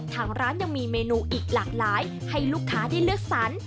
ทางร้านยังมีเมนูอีกหลากหลายให้ลูกค้าได้เลือกสรร